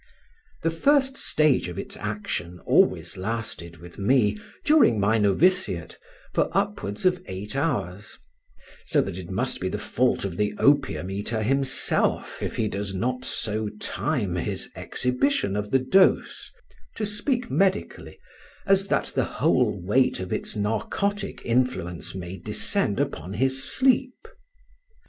This first stage of its action always lasted with me, during my noviciate, for upwards of eight hours; so that it must be the fault of the opium eater himself if he does not so time his exhibition of the dose (to speak medically) as that the whole weight of its narcotic influence may descend upon his sleep.